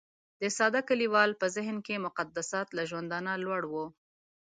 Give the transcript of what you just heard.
د ساده کليوال په ذهن کې مقدسات له ژوندانه لوړ وو.